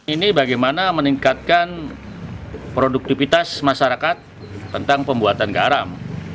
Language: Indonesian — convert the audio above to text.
ini bagaimana meningkatkan produktivitas masyarakat tentang pembuatan garam